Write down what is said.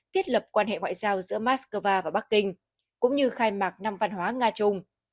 thiết lập quan hệ ngoại giao giữa moscow và bắc kinh cũng như khai mạc năm văn hóa nga trung